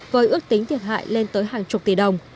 với ước tính thiệt hại lên tới hàng chục tỷ đồng